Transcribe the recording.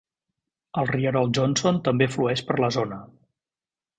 El rierol Johnson també flueix per la zona.